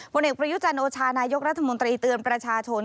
ผลเอกประยุจันโอชานายกรัฐมนตรีเตือนประชาชน